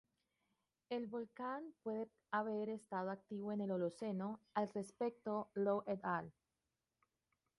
El volcán puede haber estado activo en el Holoceno, al respecto Lough et al.